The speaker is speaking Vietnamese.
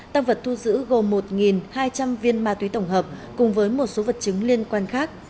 tăng vật thu giữ gồm một hai trăm linh viên ma túy tổng hợp cùng với một số vật chứng liên quan khác